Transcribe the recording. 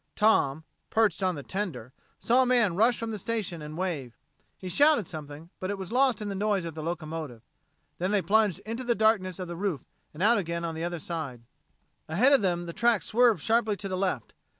Tom, perched on the tender, saw a man rush from the station and wave. He shouted something but it was lost in the noise of the locomotive. Then they plunged into the darkness of the roof, and out again on the other side. Ahead of them the track swerved sharply to the left.